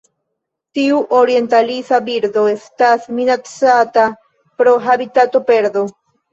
Tiu orientalisa birdo estas minacata pro habitatoperdo.